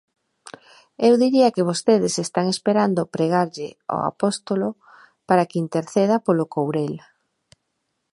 Eu diría que vostedes están esperando pregarlle ao Apóstolo para que interceda polo Courel.